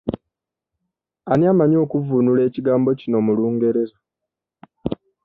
Ani amanyi okuvvuunula ekigambo kino mu Lungereza?